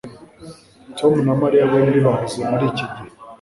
Tom na Mariya bombi bahuze muri iki gihe